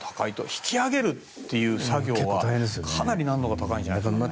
引き揚げるという作業はかなり難易度が高いんじゃないですかね。